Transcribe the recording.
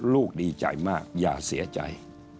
ดีใจมากอย่าเสียใจ